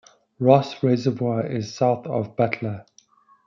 Foss Reservoir is south of Butler.